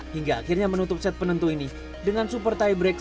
hingga akhirnya menutup set penentu ini dengan super tiebreak sepuluh delapan